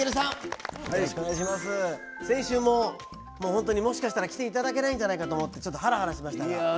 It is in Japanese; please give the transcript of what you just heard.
先週も本当にもしかしたら来て頂けないんじゃないかと思ってちょっとはらはらしましたが。